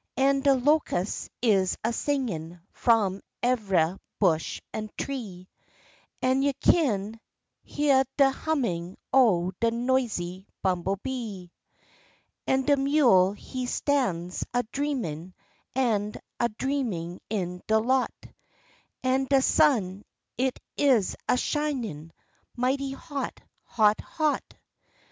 An' de locus' is a singin' f'om eveh bush an' tree, An' you kin heah de hummin' o' de noisy bumblebee; An' de mule he stan's a dreamin' an' a dreamin' in de lot, An' de sun it is a shinin' mighty hot, hot, hot.